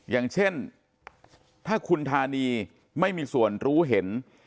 อย่างเช่นถ้าคุณธานีไม่มีส่วนรู้เห็น